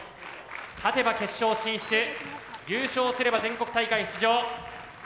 勝てば決勝進出優勝すれば全国大会出場。